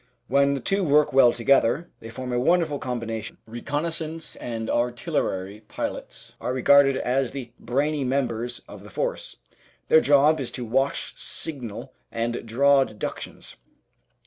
When the two work well together they form a wonderful combination. Reconnaissance and artillery pilots are regarded as the brainy members of the Force. Their job is to watch, signal, and draw deductions.